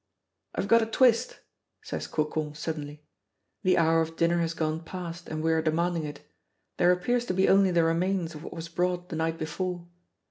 "I've got a twist!" says Cocon suddenly. The hour of dinner has gone past and we are demanding it. There appears to be only the remains of what was brought the night before.